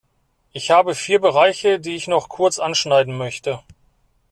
Ich habe vier Bereiche, die ich noch kurz anschneiden möchte.